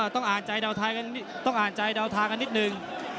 ต้องอ่านใจเดาทางกันนิดนึง